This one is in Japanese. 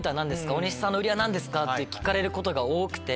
大西さんの売りは何ですか？」って聞かれることが多くて。